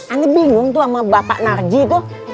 anda bingung tuh sama bapak narji itu